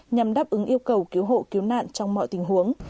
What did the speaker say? nhằm đáp ứng yêu cầu cứu hộ cứu nạn trong mọi tình huống